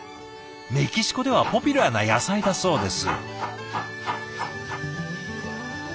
メキシコではポピュラーな野菜だそうです。